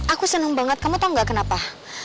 aku senang banget kamu tau gak kenapa